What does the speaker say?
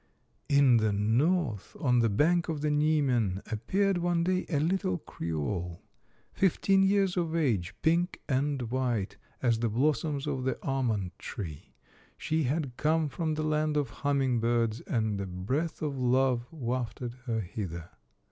In the North, on the bank of the Niemen, ap peared one day a little creole, fifteen years of age, pink and white as the blossoms of the almond tree. She had come from the land of humming birds, and a breath of love wafted her hither.